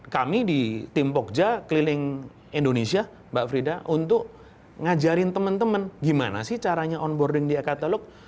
kami di tim pogja keliling indonesia mbak frida untuk ngajarin teman teman gimana sih caranya onboarding di e katalog